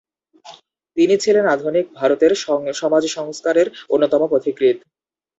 তিনি ছিলেন আধুনিক ভারতের সমাজ সংস্কারের অন্যতম পথিকৃৎ।